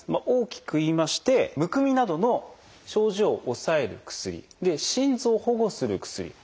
大きく言いましてむくみなどの症状を抑える薬。で心臓を保護する薬。